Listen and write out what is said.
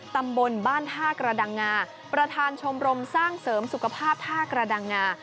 ตำบลบ้านท่ากระดังงาประธานชมรมสร้างเสริมสุขภาพท่ากระดังงา